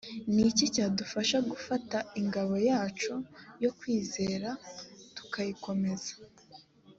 ni iki cyadufasha gufata ingabo yacu yo kwizera tukayikomeza